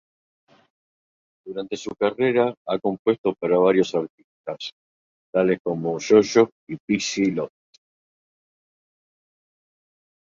Durante su carrera ha compuesto para varios artistas, tales como JoJo y Pixie Lott.